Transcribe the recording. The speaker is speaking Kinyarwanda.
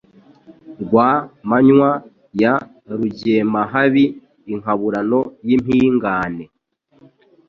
rwaa manywa ya rugemahabi Inkaburano y'impiingaane